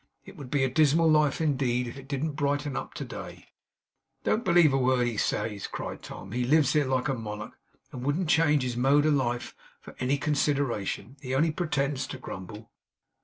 It would be a dismal life, indeed, if it didn't brighten up to day' 'Don't believe a word he says,' cried Tom. 'He lives here like a monarch, and wouldn't change his mode of life for any consideration. He only pretends to grumble.